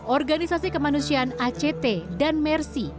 organisasi kemanusiaan act dan mersi